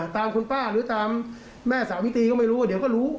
ตามคุณป้าหรือตามแม่สาวิตรีก็ไม่รู้ว่าเดี๋ยวก็รู้